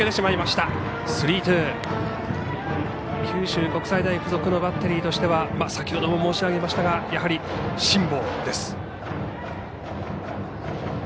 九州国際大付属のバッテリーとしては先ほども申し上げましたがやはり、辛抱です。